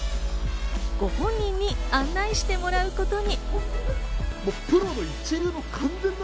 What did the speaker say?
ご本人に案内してもらうことに。